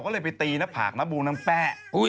ก็เลยไปตีหน้าผากน้ำบูน้ำแป้